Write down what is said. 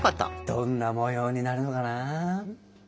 どんな模様になるのかな？